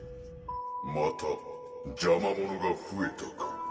「また邪魔者がふえたか」